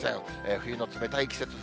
冬の冷たい季節風